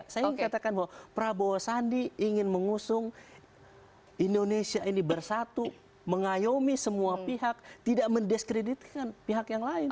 saya ingin katakan bahwa prabowo sandi ingin mengusung indonesia ini bersatu mengayomi semua pihak tidak mendiskreditkan pihak yang lain